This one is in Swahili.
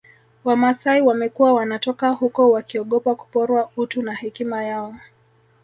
Wamasai wamekuwa wanatoka huko wakiogopa kuporwa utu na hekima yao